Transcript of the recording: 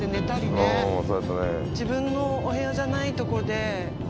自分のお部屋じゃない所で。